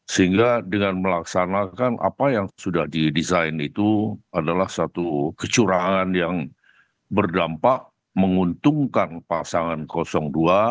sehingga dengan melaksanakan apa yang sudah didesain itu adalah satu kecurangan yang berdampak menguntungkan pasangan dua